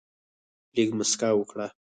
لږ مسکا وکړه.